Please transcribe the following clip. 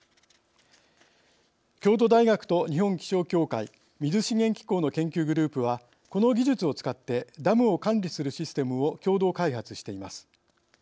京都大学と日本気象協会水資源機構の研究グループはこの技術を使ってダムを管理するシステムを共同開発しています。